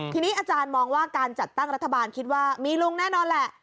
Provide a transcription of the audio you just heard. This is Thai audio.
ทีนี้อาจารย์มองว่าการจัดตั้งรัฐบาลคิดว่ามีลุงแน่นอนแหละ